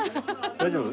大丈夫？